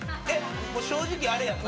正直あれやんな。